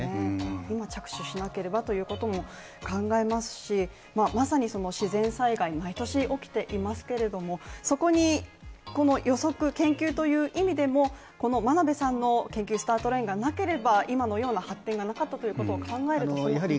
今、着手しなければということも考えますしまさに自然災害、毎年起きていますけれども、そこに予測研究という意味でも、真鍋さんの研究のスタートラインがなければ今のような発展もなかったということを考えると大切さを感じますよね。